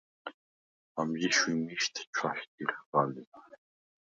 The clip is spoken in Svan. ამჟი შვიმიშდ ჩვაშდიხხ ალი.